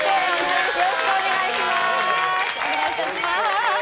よろしくお願いします。